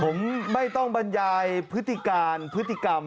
ผมไม่ต้องบรรยายพฤติการพฤติกรรม